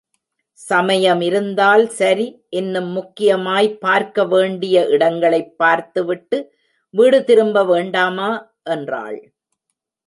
சமயமிருந்தால் சரி, இன்னும் முக்கியமாய் பார்க்க வேண்டிய இடங்களைப் பார்த்துவிட்டு வீடு திரும்ப வேண்டாமா? என்றாள்.